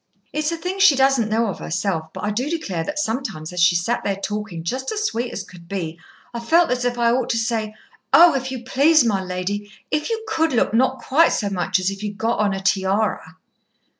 It's a thing she doesn't know of herself, but I do declare that sometimes as she's sat there talking just as sweet as could be, I've felt as if I ought to say, 'Oh! if you please, my lady, if you could look not quite so much as if you'd got on a tiara.'"